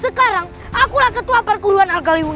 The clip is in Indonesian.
sekarang akulah ketua perkuluan alkaliwuni